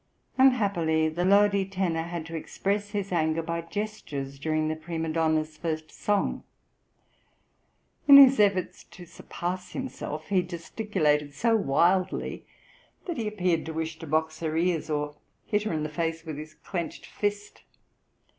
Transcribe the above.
Unhappily the Lodi tenor had to express his anger by gestures during the prima donna's first song; in his efforts to surpass himself he gesticulated so wildly, "that he appeared to wish to box her ears, or hit her in the face with his clenched fist."